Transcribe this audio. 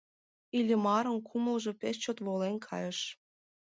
Иллимарын кумылжо пеш чот волен кайыш.